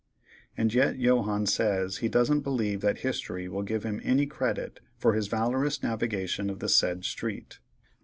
And yet Johannes says he doesn't believe that History will give him any credit for his valorous navigation of the said street.